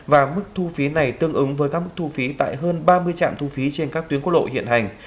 và mức thu phí này tương ứng với các mức thu phí tại hơn ba mươi trạm thu phí trên các tuyến quốc lộ hiện hành